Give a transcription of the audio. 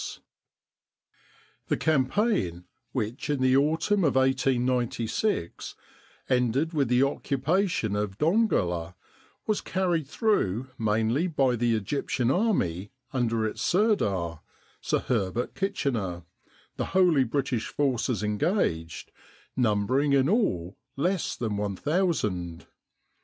in Egypt The campaign which in the autumn of 1896 ended with the occupation of Dongola was carried through mainly by the Egyptian Army under its Sirdar, Sir Herbert Kitchener, the wholly British forces engaged numbering in all less than one thousand.